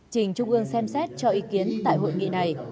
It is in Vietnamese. trình trung ương xem xét cho ý kiến tại hội nghị này